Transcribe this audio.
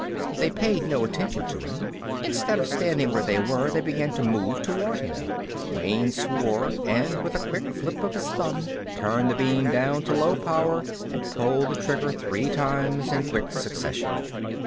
They paid no attention to him. Instead of standing where they were, they began to move toward him. Wayne swore and, with a quick flip of his thumb, turned the beam down to low power and pulled the trigger three times in quick succession.